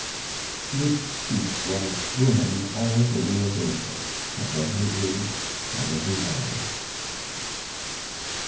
This speech was woman all the world over, of every age and every land.